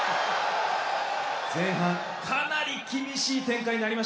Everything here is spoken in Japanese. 前半かなり厳しい展開になりましたが。